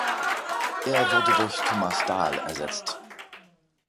Er wurde durch Thomas Dahl ersetzt.